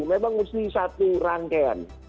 memang mesti satu rangkaian